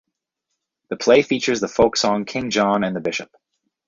The play features the folk song King John and the Bishop.